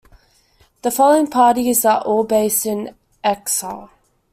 The following parties are all based in exile.